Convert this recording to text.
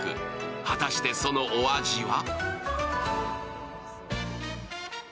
果たして、そのお味は？